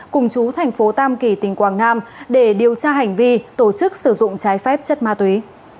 cùng chú thành phố tam kỳ tỉnh quảng nam để điều tra hành vi tổ chức sử dụng trái phép chất ma túy